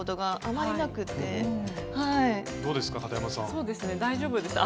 そうですね大丈夫です。